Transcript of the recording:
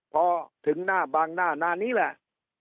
พอถึงหน้าบางหน้าหน้านี้แหละ